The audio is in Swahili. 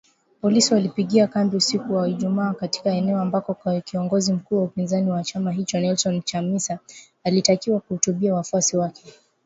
Polisi walipiga kambi usiku wa Ijumaa katika eneo ambako kiongozi mkuu wa upinzani wa chama hicho, Nelson Chamisa, alitakiwa kuhutubia wafuasi wake